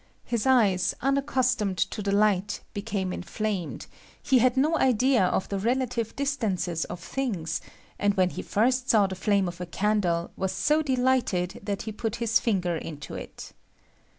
His eyes, unaccustomed to the light, became inflamed; he had no idea of the relative distances of things, and when he first saw the flame of a candle was so delighted that he put his finger into it.